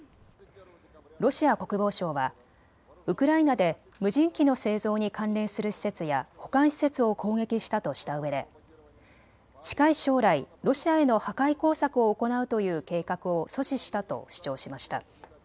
ロシア国防省は、ウクライナで無人機の製造に関連する施設や保管施設を攻撃したとしたうえで近い将来、ロシアへの破壊工作を行うという計画を阻止したと主張しました。